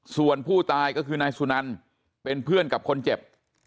ส่วนผู้ตายก็คือนายสุนันเป็นเพื่อนกับคนเจ็บ